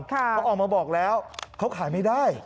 เขาออกมาบอกแล้วเขาขายไม่ได้